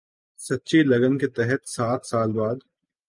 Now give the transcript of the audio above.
سچی لگن کے تحت سات سال بعد